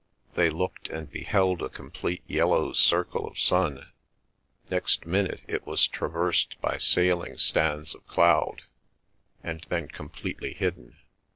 They looked, and beheld a complete yellow circle of sun; next minute it was traversed by sailing stands of cloud, and then completely hidden.